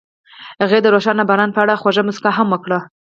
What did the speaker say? هغې د روښانه باران په اړه خوږه موسکا هم وکړه.